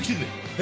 え？